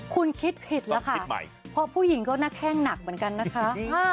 คุณคิดผิดแล้วค่ะคิดใหม่เพราะผู้หญิงก็หน้าแข้งหนักเหมือนกันนะคะ